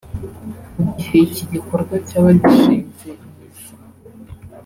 Mu gihe iki gikorwa cyaba gishinze imizi